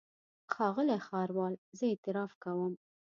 ښاغلی ښاروال زه اعتراف کوم.